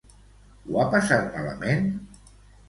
Ho ha passat malament?